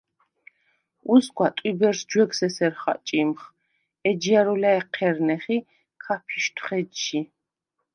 უსგვა, ტვიბერს ჯვეგს ესერ ხაჭიმხ, ეჯჲა̈რუ ლა̈ჲჴერნეხ ი ქაფიშთვხ ეჯჟი.